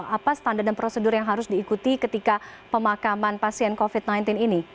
apa standar dan prosedur yang harus diikuti ketika pemakaman pasien covid sembilan belas ini